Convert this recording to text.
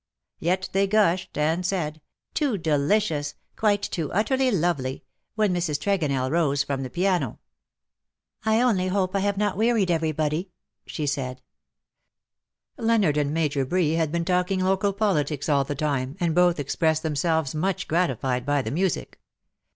Yet they gushed and said, " too delicious — quite too utterly lovely," when Mrs. Tregonell rose from the piano. THAT THE DAY WILL END." 219 ^'^ I only hope I have not wearied everybody/' she said. Leonard and Major Bree had been talking local politics all the time, and both expressed themselves much gratified by the music.